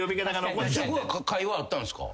そこは会話あったんすか？